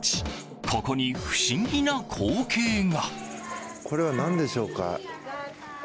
ここに不思議な光景が。